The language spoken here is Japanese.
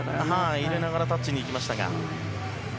入れながらタッチにいきまし